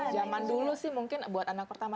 zaman dulu sih mungkin buat anak pertama